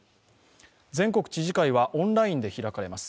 全国知事会はオンラインで開かれます。